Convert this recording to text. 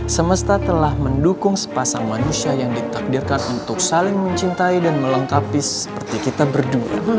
semesta telah mendukung sepasang manusia yang ditakdirkan untuk saling mencintai dan melengkapi seperti kita berdua